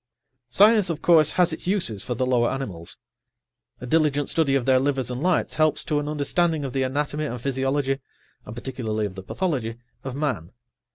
Science, of course, has its uses for the lower animals. A diligent study of their livers and lights helps to an understanding of the anatomy and physiology, and particularly of the pathology, of man.